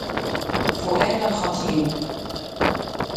فؤاد الخطيب